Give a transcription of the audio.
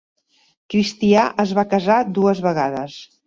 Cristià es va casar dues vegades.